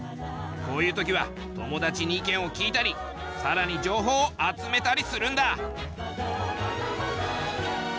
こういう時は友達に意見を聞いたりさらに情報を集めたりするんだ。